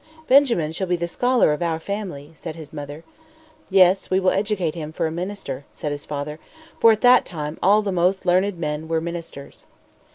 "Benjamin shall be the scholar of our family," said his mother. "Yes, we will educate him for a minister," said his father. For at that time all the most learned men were ministers.